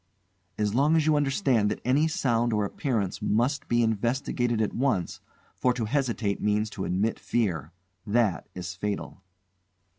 "As long as you understand that any sound or appearance must be investigated at once, for to hesitate means to admit fear. That is fatal."